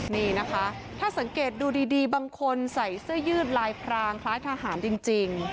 นี่นะคะถ้าสังเกตดูดีบางคนใส่เสื้อยืดลายพรางคล้ายทหารจริง